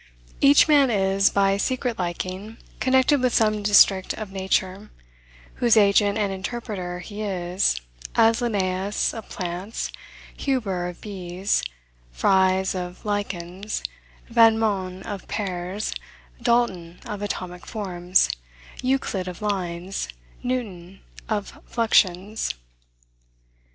Each man is, by secret liking, connected with some district of nature, whose agent and interpreter he is, as Linnaeus, of plants; Huber, of bees; Fries, of lichens; Van Mons, of pears; Dalton, of atomic forms; Euclid, of lines; Newton, of fluxions.